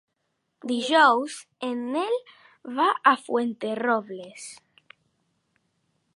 Dijous en Nel va a Fuenterrobles.